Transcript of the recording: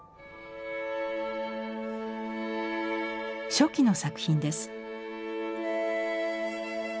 初期の作品です。